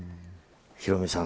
ヒロミさん